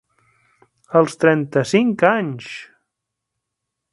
Als trenta-cinc anys!